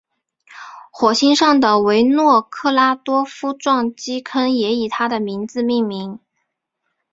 火星上的维诺格拉多夫撞击坑也以他的名字命名。